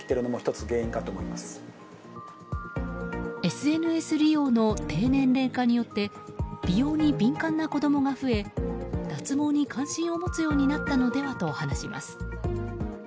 ＳＮＳ利用の低年齢化によって美容に敏感な子供が増え脱毛に関心を持つようになったのではと話します。